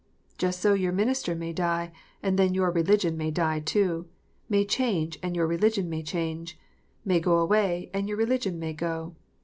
Just so your minister may die, and then your religion may die too ; may change, and your religion may change ; may go away, and your religion may go.